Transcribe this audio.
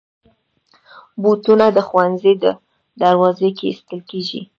بوټونه د ښوونځي دروازې کې ایستل کېږي.